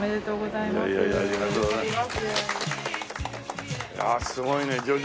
いやすごいね叙々